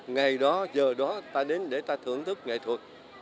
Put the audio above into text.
ngày đó giờ đó ta đến để ta thưởng thức nghệ thuật